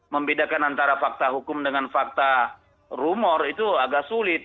membedakan antara fakta hukum dengan fakta rumor itu agak sulit